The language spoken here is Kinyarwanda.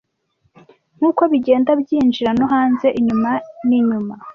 Nkuko bigenda byinjira no hanze, inyuma n'inyuma,